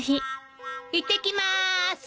いってきまーす。